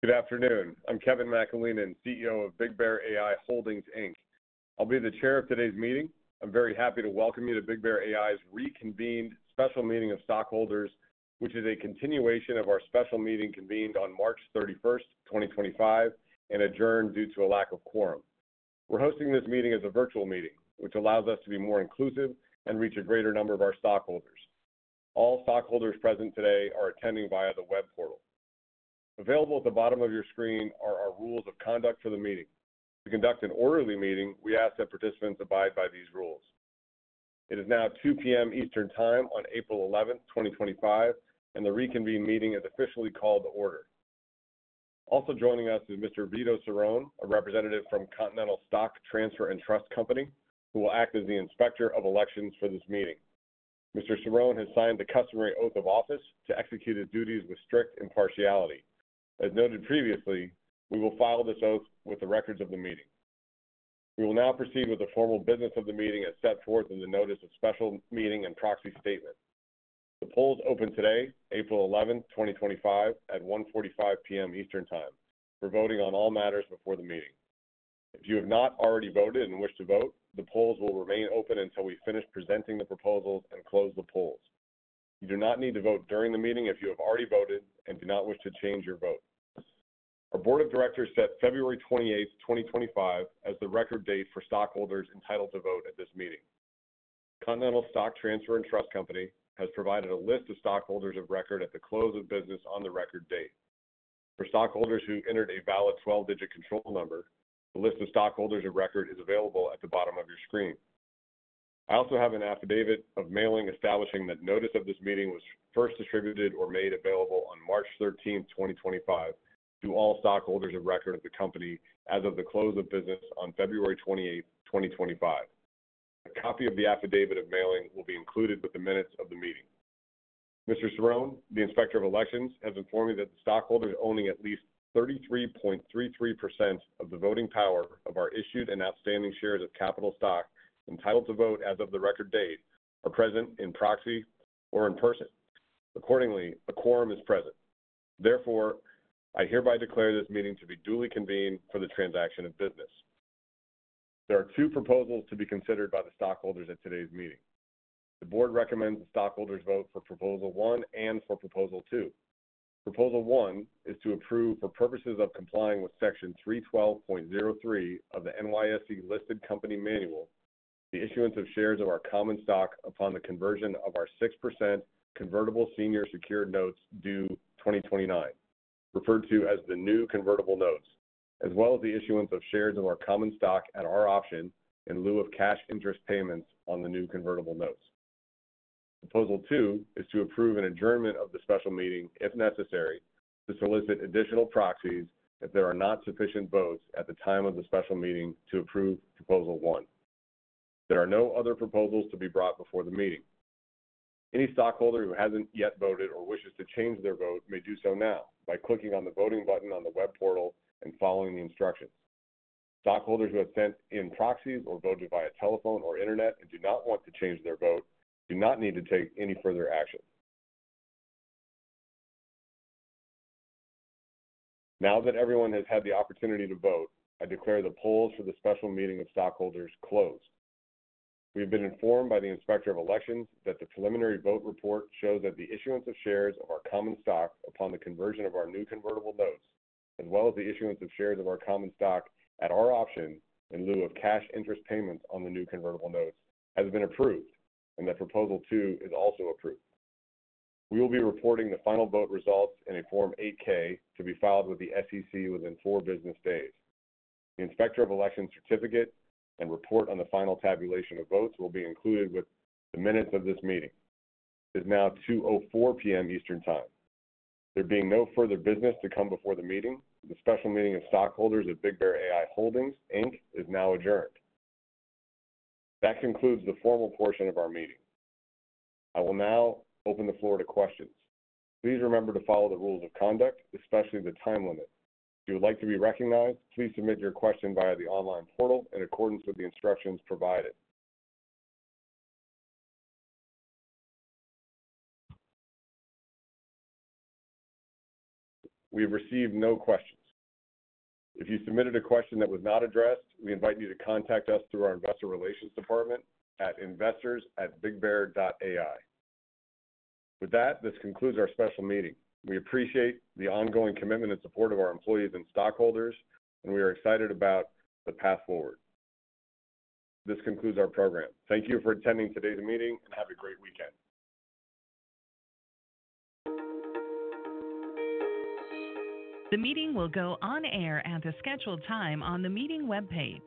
Good afternoon. I'm Kevin McAleenan, CEO of BigBear.ai Holdings, Inc. I'll be the chair of today's meeting. I'm very happy to welcome you to BigBear.ai's reconvened special meeting of stockholders, which is a continuation of our special meeting convened on March 31, 2025, and adjourned due to a lack of quorum. We're hosting this meeting as a virtual meeting, which allows us to be more inclusive and reach a greater number of our stockholders. All stockholders present today are attending via the web portal. Available at the bottom of your screen are our rules of conduct for the meeting. To conduct an orderly meeting, we ask that participants abide by these rules. It is now 2:00 P.M. Eastern Time on April 11, 2025, and the reconvened meeting is officially called to order. Also joining us is Mr. Vito Cirone, a representative from Continental Stock Transfer and Trust Company, who will act as the inspector of elections for this meeting. Mr. Cirone has signed the customary oath of office to execute his duties with strict impartiality. As noted previously, we will file this oath with the records of the meeting. We will now proceed with the formal business of the meeting as set forth in the notice of special meeting and proxy statement. The polls open today, April 11, 2025, at 1:45 P.M. Eastern Time. We're voting on all matters before the meeting. If you have not already voted and wish to vote, the polls will remain open until we finish presenting the proposals and close the polls. You do not need to vote during the meeting if you have already voted and do not wish to change your vote. Our board of directors set February 28, 2025, as the record date for stockholders entitled to vote at this meeting. Continental Stock Transfer and Trust Company has provided a list of stockholders of record at the close of business on the record date. For stockholders who entered a valid 12-digit control number, the list of stockholders of record is available at the bottom of your screen. I also have an affidavit of mailing establishing that notice of this meeting was first distributed or made available on March 13, 2025, to all stockholders of record of the company as of the close of business on February 28, 2025. A copy of the affidavit of mailing will be included with the minutes of the meeting. Mr. Cerrone, the inspector of elections, has informed me that the stockholders owning at least 33.33% of the voting power of our issued and outstanding shares of capital stock entitled to vote as of the record date are present in proxy or in person. Accordingly, a quorum is present. Therefore, I hereby declare this meeting to be duly convened for the transaction of business. There are two proposals to be considered by the stockholders at today's meeting. The board recommends the stockholders vote for Proposal 1 and for Proposal 2. Proposal 1 is to approve, for purposes of complying with Section 312.03 of the NYSE Listed Company Manual, the issuance of shares of our common stock upon the conversion of our 6% convertible senior secured notes due 2029, referred to as the new convertible notes, as well as the issuance of shares of our common stock at our option in lieu of cash interest payments on the new convertible notes. Proposal 2 is to approve an adjournment of the special meeting, if necessary, to solicit additional proxies if there are not sufficient votes at the time of the special meeting to approve Proposal 1. There are no other proposals to be brought before the meeting. Any stockholder who hasn't yet voted or wishes to change their vote may do so now by clicking on the voting button on the web portal and following the instructions. Stockholders who have sent in proxies or voted via telephone or internet and do not want to change their vote do not need to take any further action. Now that everyone has had the opportunity to vote, I declare the polls for the special meeting of stockholders closed. We have been informed by the inspector of elections that the preliminary vote report shows that the issuance of shares of our common stock upon the conversion of our new convertible notes, as well as the issuance of shares of our common stock at our option in lieu of cash interest payments on the new convertible notes, has been approved, and that Proposal 2 is also approved. We will be reporting the final vote results in a Form 8-K to be filed with the SEC within four business days. The inspector of elections certificate and report on the final tabulation of votes will be included with the minutes of this meeting. It is now 2:04 P.M. Eastern Time. There being no further business to come before the meeting, the special meeting of stockholders at BigBear.ai Holdings is now adjourned. That concludes the formal portion of our meeting. I will now open the floor to questions. Please remember to follow the rules of conduct, especially the time limit. If you would like to be recognized, please submit your question via the online portal in accordance with the instructions provided. We have received no questions. If you submitted a question that was not addressed, we invite you to contact us through our investor relations department at investors@bigbear.ai. With that, this concludes our special meeting. We appreciate the ongoing commitment and support of our employees and stockholders, and we are excited about the path forward. This concludes our program. Thank you for attending today's meeting and have a great weekend. The meeting will go on air at a scheduled time on the meeting web page.